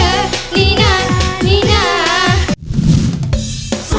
นี่น่านี่น่า